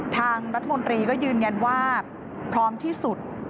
ทางรัฐมนตรีก็ยืนยันว่าพร้อมที่สุด